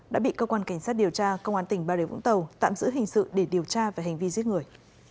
đã bị cơ quan cảnh sát điều tra công an tỉnh bà rịa vũng tàu tạm giữ hình sự để điều tra về hành vi giết người